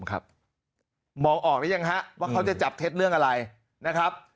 ครับมองออกหรือยังฮะว่าเขาจะจับเท็จเรื่องอะไรนะครับ